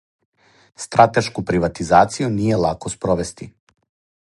Стратешку приватизацију није лако спровести.